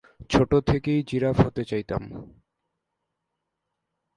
ছোট থেকেই জিরাফ হতে চাইতাম।